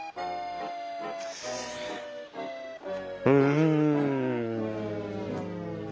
うん。